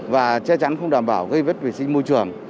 và che chắn không đảm bảo gây vấp vệ sinh môi trường